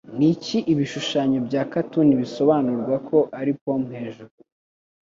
Niki Ibishushanyo bya Cartoon bisobanurwa ko ari pome hejuru